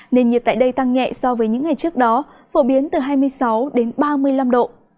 nền nhiệt tại đây tăng nhẹ so với những ngày trước đó phổ biến từ hai mươi sáu đến ba mươi năm độ